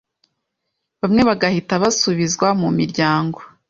bamwe bagahita basubizwa mu miryango